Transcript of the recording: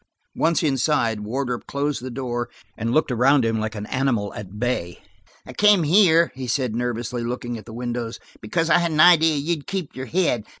Once inside, Wardrop closed the door and looked around him like an animal at bay. "I came here," he said nervously, looking at the windows, "because I had an idea you'd keep your head.